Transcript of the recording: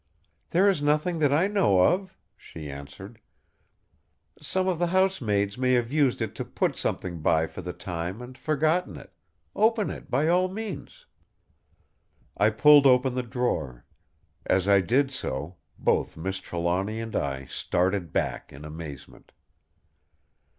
"There is nothing that I know of," she answered. "Some of the housemaids may have used it to put something by for the time and forgotten it. Open it by all means!" I pulled open the drawer; as I did so, both Miss Trelawny and I started back in amazement.